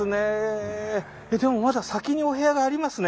でもまだ先にお部屋がありますね。